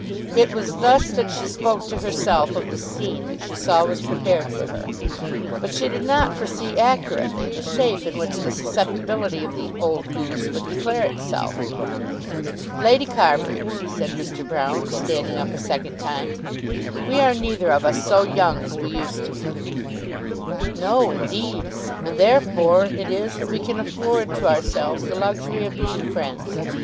It was thus that she spoke to herself of the scene that she saw was prepared for her, but she did not foresee accurately the shape in which the susceptibility of the "old goose" would declare itself. "Lady Carbury," said Mr. Broune, standing up a second time, "we are neither of us so young as we used to be." "No, indeed; and therefore it is that we can afford to ourselves the luxury of being friends.